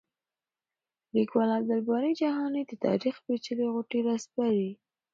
لیکوال عبدالباري جهاني د تاریخ پېچلې غوټې راسپړي.